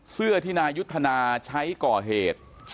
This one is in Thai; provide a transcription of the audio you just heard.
เสื้อที่นายุทธนาใช้ก่อเหตุ